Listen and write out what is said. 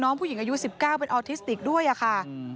ผู้หญิงอายุ๑๙เป็นออทิสติกด้วยค่ะ